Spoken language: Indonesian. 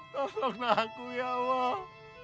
tolonglah aku ya allah